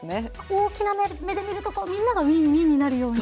大きな目で見るとみんながウィンウィンになるように。